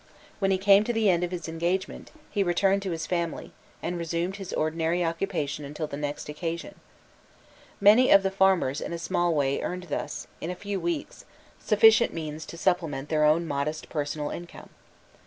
When he came to the end of his engagement, he returned to his family, and resumed his ordinary occupation until the next occasion. Many of the farmers in a small way earned thus, in a few weeks, sufficient means to supplement their own modest personal income.